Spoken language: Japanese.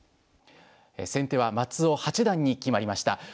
先手は松尾八段に決まりました。